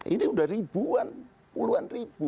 ini udah ribuan puluhan ribu